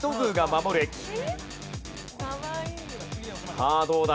さあどうだ？